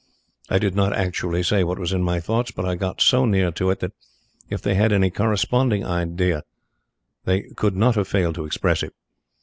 I did not actually say what was in my thoughts, but I got so near to it that if they had any corresponding idea they could not have failed to express it.